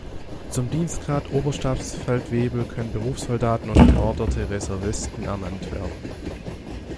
Zum Dienstgrad Oberstabsfeldwebel können Berufssoldaten und beorderte Reservisten ernannt werden.